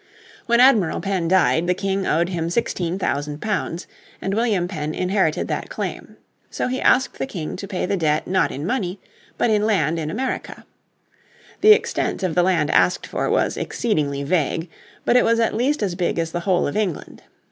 When Admiral Penn died the King owed him £16,000 and William Penn inherited that claim. So he asked the King to pay the debt not in money but in land in America. The extent of the land asked for was exceedingly vague, but it was at least as big as the whole of England.